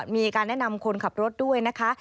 มีการแนะนำคนขับรถด้วยนะคะ